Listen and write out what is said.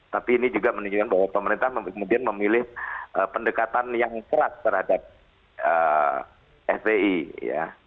tapi ini juga menunjukkan bahwa pemerintah kemudian memilih pendekatan yang keras terhadap fpi ya